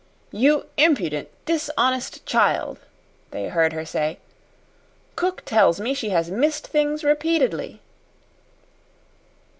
"You impudent, dishonest child!" they heard her say. "Cook tells me she has missed things repeatedly."